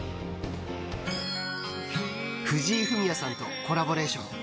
藤井フミヤさんとコラボレーション。